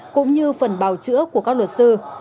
cũng như phần bào chữa của các luật sư